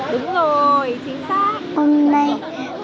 đúng rồi chính xác